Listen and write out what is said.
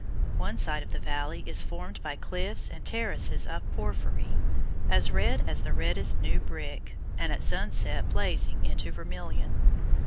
One side of the valley is formed by cliffs and terraces of porphyry as red as the reddest new brick, and at sunset blazing into vermilion.